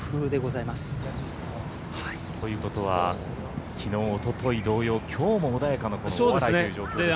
ということはきのう、おととい同様きょうも穏やかなこの大洗という状況ですね。